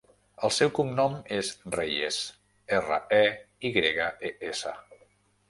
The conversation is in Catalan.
El seu cognom és Reyes: erra, e, i grega, e, essa.